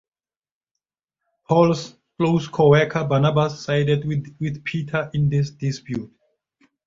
Paul's close coworker Barnabas sided with Peter in this dispute.